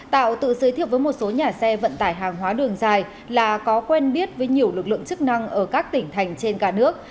tạo tự giới thiệu với một số nhà xe vận tải hàng hóa đường dài là có quen biết với nhiều lực lượng chức năng ở các tỉnh thành trên cả nước